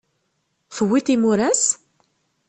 Tewwiḍ imuras?